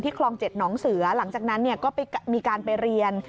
คลอง๗หนองเสือหลังจากนั้นก็มีการไปเรียน